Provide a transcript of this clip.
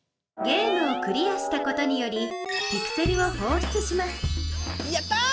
ゲームをクリアしたことによりピクセルをほうしゅつしますやった！